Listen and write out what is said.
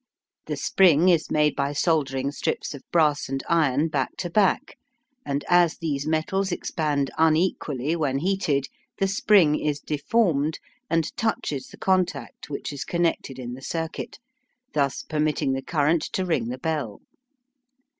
The spring is made by soldering strips of brass and iron back to back, and as these metals expand unequally when heated, the spring is deformed, and touches the contact which is connected in the circuit, thus permitting the current to ring the bell.